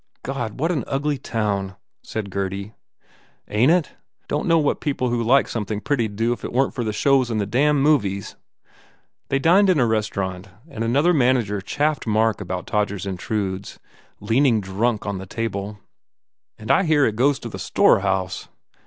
"God, what an ugly town," said Gurdy. u Ain t it? Don t know what people that like something pretty d do if it weren t for the shows and the damned movies." They dined in a restaurant and another man ager chaffed Mark about "Todgers Intrudes" leaning drunk on the table. "And I hear it goes to the storehouse?"